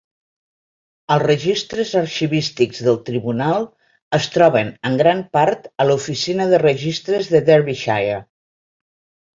Els registres arxivístics del tribunal es troben en gran part a l'Oficina de Registres de Derbyshire.